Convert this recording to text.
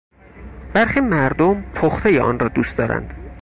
برخی مردم پختهی آن را دوست دارند.